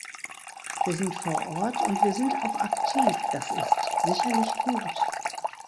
Wir sind vor Ort, und wir sind auch aktiv, das ist sicherlich gut.